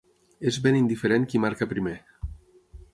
És ben indiferent qui marca primer.